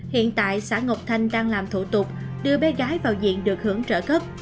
hiện tại xã ngọc thanh đang làm thủ tục đưa bé gái vào diện được hưởng trợ cấp